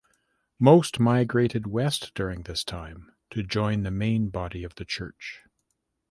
Most migrated west during this time to join the main body of the church.